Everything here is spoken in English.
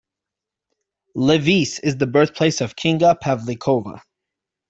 Levice is the birthplace of Kinga Pavlikova.